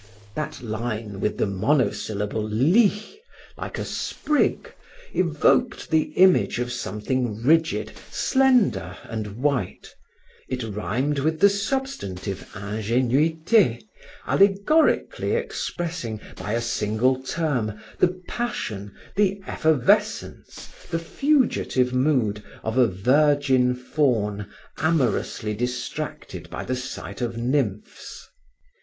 That line with the monosyllable lys like a sprig, evoked the image of something rigid, slender and white; it rhymed with the substantive ingenuite, allegorically expressing, by a single term, the passion, the effervescence, the fugitive mood of a virgin faun amorously distracted by the sight of nymphs.